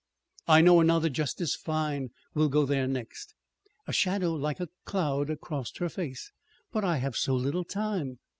"I know another just as fine. We'll go there next." A shadow like a cloud crossed her face. "But I have so little time!"